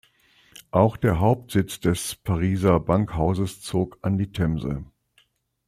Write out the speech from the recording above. Auch der Hauptsitz der Pariser Bankhauses zog an die Themse.